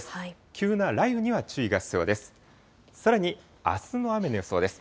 急な雷雨には注意が必要です。